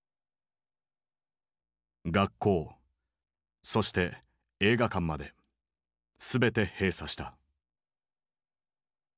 学校そして映画館まで全て閉鎖した。